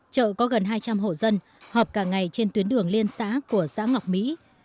chợ có gần hai trăm linh hộ dân họp cả ngày trên tuyến đường liên xã của xã ngọc mỹ